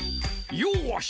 よし！